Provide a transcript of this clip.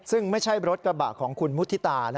ซึ่งไม่ใช่รถกระบะของคุณมุฒิตา